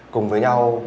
cùng với nhau